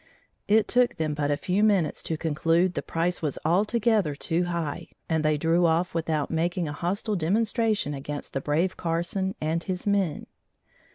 It took them but a few minutes to conclude the price was altogether too high and they drew off without making a hostile demonstration against the brave Carson and his men.